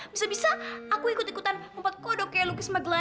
bisa bisa aku ikut ikutan lompat godok kayak lukis magelan